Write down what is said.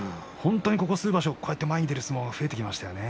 ここ数場所、前に出る相撲が増えてきましたね。